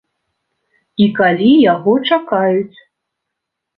І калі яго чакаюць.